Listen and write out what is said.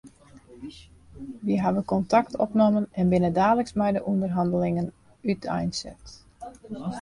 Wy hawwe kontakt opnommen en binne daliks mei de ûnderhannelingen úteinset.